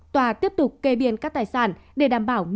tòa tiếp tục kê biên các tài sản để đảm bảo